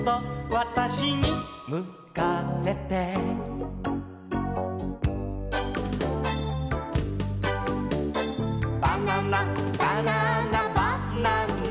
「わたしにむかせて」「バナナバナナバナナ」